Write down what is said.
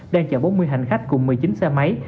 đang chở bốn mươi hành khách cùng một mươi chín xe máy